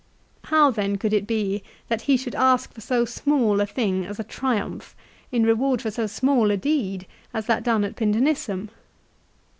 How then could it be that he should ask for so small a thing as a Triumph in reward for so small a deed as that done at Pindenissum